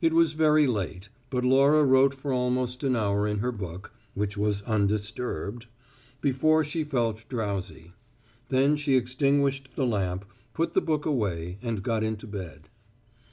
It was very late, but Laura wrote for almost an hour in her book (which was undisturbed) before she felt drowsy. Then she extinguished the lamp, put the book away and got into bed.